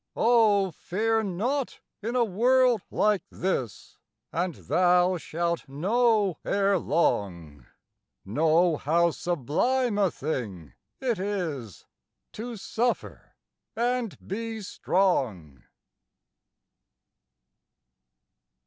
Oh, fear not in a world like this, And thou shalt know ere long, Know how sublime a thing it is To suffer and be strong.